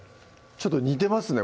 ちょっと似てますね